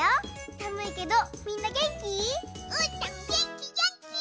さむいけどみんなげんき？うーたんげんきげんき！